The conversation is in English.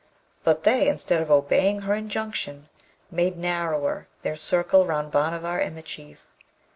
But they, instead of obeying her injunction, made narrower their circle round Bhanavar and the Chief.